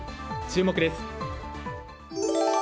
注目です。